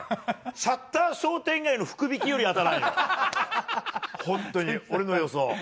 シャッター商店街の福引より当たらない、俺の予想。